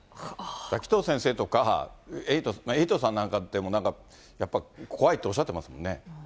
紀藤先生とか、エイトさんなんかやっぱり怖いっておっしゃってますもんね。